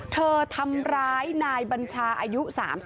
ทำร้ายนายบัญชาอายุ๓๒